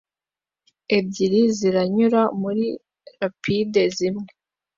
ebyiri ziranyura muri rapide zimwe